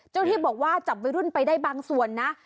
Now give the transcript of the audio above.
ที่บอกว่าจับวัยรุ่นไปได้บางส่วนนะ